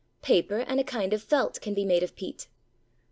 Paper and a kind of felt can be made of peat.